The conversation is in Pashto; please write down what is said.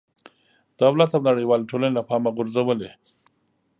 دولت او نړېوالې ټولنې له پامه غورځولې.